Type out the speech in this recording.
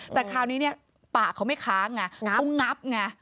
แต่คราวนี้เนี่ยปากเขาไม่ค้างตรงนับ